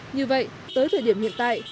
như vậy tới thời điểm hiện tại